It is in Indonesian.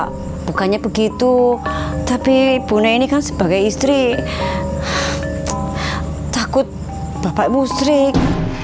hai bukannya begitu tapi pun ini kan sebagai istri takut bapak mustrik